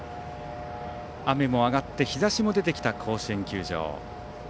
雨も上がって日ざしも出てきた甲子園球場。